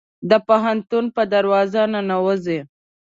د پوهنتون په دروازه ننوزي